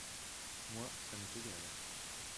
moi ça m'est égal.